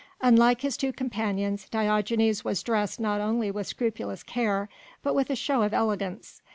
Unlike his two companions, Diogenes was dressed not only with scrupulous care but with a show of elegance.